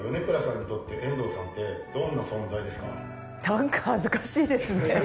何か恥ずかしいですね。